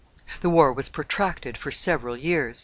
The war was protracted for several years.